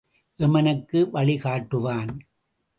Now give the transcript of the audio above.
எமனுக்கு வழி காட்டுவான்.